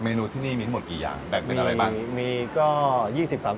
เมนูที่นี่มีทั้งหมดกี่อย่างแบบเป็นอะไรบ้าง